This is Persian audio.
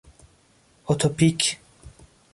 اتوپیک